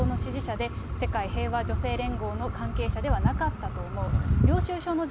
知人の講師は社民党の支持者で、世界平和女性連合の関係者ではなかったと思う。